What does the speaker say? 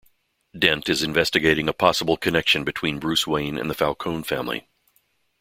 Dent is investigating a possible connection between Bruce Wayne and the Falcone family.